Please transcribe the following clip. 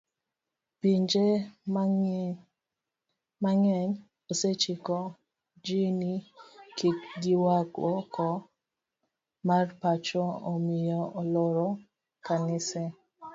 Pinje mang'eny osechiko ji ni kikgiwuogoko mar pacho omiyo oloro kanise